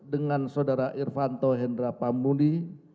dengan saudara irvanto hendra pamuli